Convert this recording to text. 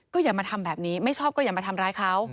อย่ามาทำแบบนี้ไม่ชอบก็อย่ามาทำร้ายเขา